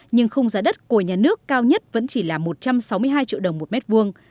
nhưng khung giá đất của nhà nước cao nhất vẫn chỉ là một trăm sáu mươi hai triệu đồng một mét vuông